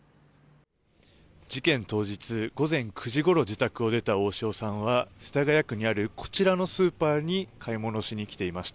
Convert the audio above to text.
事件当日、午前９時ごろ自宅を出た大塩さんは世田谷区にあるこちらのスーパーに買い物しに来ていました。